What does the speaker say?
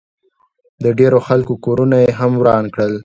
د ډېرو خلکو کورونه ئې هم وران کړل